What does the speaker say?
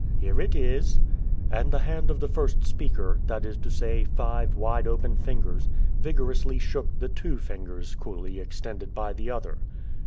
"Here it is." And the hand of the first speaker, that is to say, five wide open fingers, vigorously shook the two fingers coolly extended by the other.